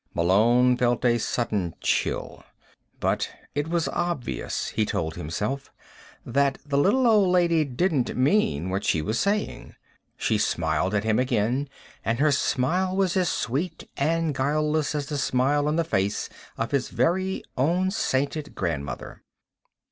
Malone felt a sudden chill. But it was obvious, he told himself, that the little old lady didn't mean what she was saying. She smiled at him again, and her smile was as sweet and guileless as the smile on the face of his very own sainted grandmother.